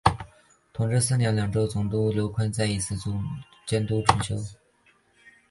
同治四年两江总督刘坤一再次监督重修。